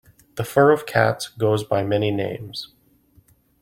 The fur of cats goes by many names.